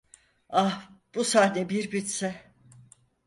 Ah, bu sahne bir bitse…